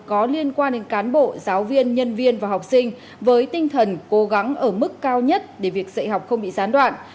có liên quan đến cán bộ giáo viên nhân viên và học sinh với tinh thần cố gắng ở mức cao nhất để việc dạy học không bị gián đoạn